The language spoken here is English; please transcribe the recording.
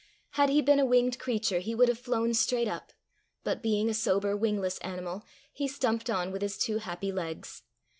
Had he been a winged creature he would have flown straight up; but being a sober wingless animal, he stumped on with his two happy legs.